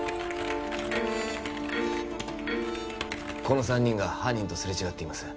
この３人が犯人とすれ違っています